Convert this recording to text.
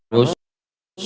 kenapa joso kenapa